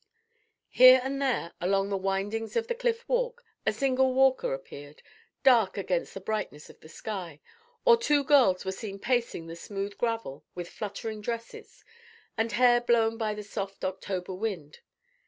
Here and there along the windings of the Cliff Walk a single walker appeared, dark against the brightness of the sky, or two girls were seen pacing the smooth gravel, with fluttering dresses, and hair blown by the soft October wind.